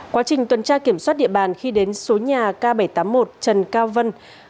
quá trình tuần tra kiểm soát địa bàn khi đến số nhà k bảy trăm tám mươi một trần cao vân